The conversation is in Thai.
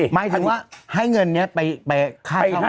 หมายถึงว่าให้เงินเนี่ยไปค่าเช่าพระ